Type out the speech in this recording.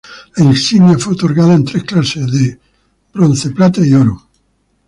La insignia fue otorgada en tres clases de bronce, plata y oro.